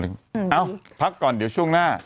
เอ้าพักก่อนเดี๋ยวช่วงหน้า